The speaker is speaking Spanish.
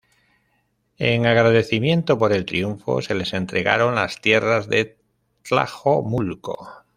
En agradecimiento por el triunfo se les entregaron las tierras de Tlajomulco.